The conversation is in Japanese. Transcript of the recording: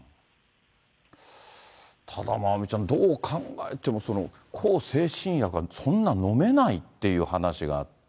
ただ、まおみちゃん、どう考えても向精神薬はそんな飲めないっていう話があって、